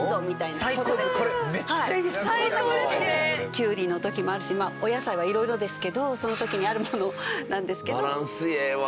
キュウリの時もあるしお野菜は色々ですけどその時にあるものなんですけど。